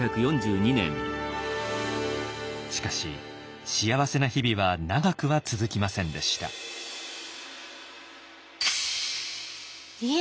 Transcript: しかし幸せな日々は長くは続きませんでした。離縁？